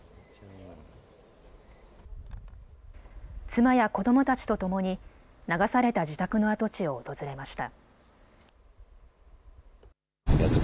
妻や子どもたちとともに流された自宅の跡地を訪れました。